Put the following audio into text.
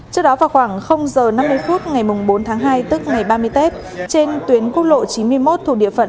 trước đó vào khoảng h năm mươi phút ngày bốn tháng hai tức ngày ba mươi tết trên tuyến quốc lộ chín mươi một thuộc địa phận